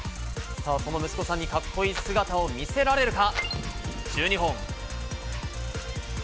さあその息子さんにかっこいい姿を見せられるか。